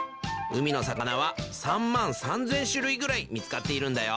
海の魚は３万３，０００種類ぐらい見つかっているんだよ。